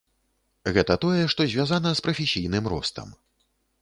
Гэта тое, што звязана з прафесійным ростам.